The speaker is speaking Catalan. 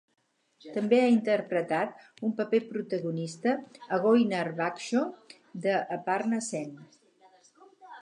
També ha interpretat un paper protagonista a Goynar Baksho, de Aparna Sen.